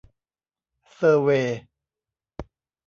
เซอร์เวย์